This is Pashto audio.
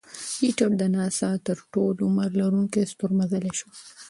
پېټټ د ناسا تر ټولو عمر لرونکی ستور مزلی شو.